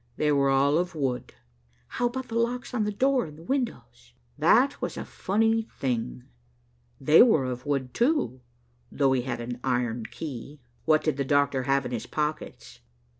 "They were all of wood." "How about the locks on the door and windows?" "That was a funny thing. They were of wood, too, though he had an iron key." "What did the doctor have in his pockets?"